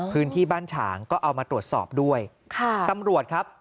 พื้นที่บ้านฉางก็เอามาตรวจสอบด้วยค่ะตำรวจครับ